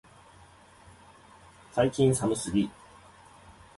最近寒すぎ、